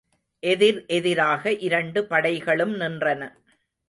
எதிர் எதிராக இரண்டு படைகளும் நின்றன.